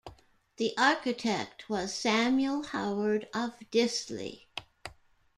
The architect was Samuel Howard of Disley.